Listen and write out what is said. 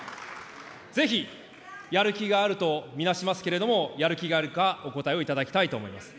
ぜひ、やる気があるとみなしますけれども、やる気があるか、お答えをいただきたいと思います。